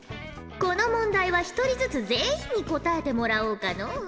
この問題は一人ずつ全員に答えてもらおうかのう。